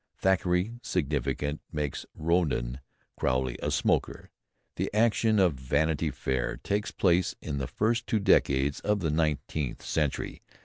Thackeray significantly makes Rawdon Crawley a smoker the action of "Vanity Fair" takes place in the first two decades of the nineteenth century.